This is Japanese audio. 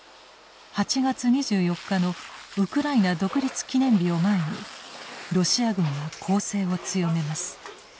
８月２４日のウクライナ独立記念日を前にロシア軍は攻勢を強めます。